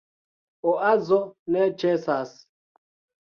Oazo ne ĉesas.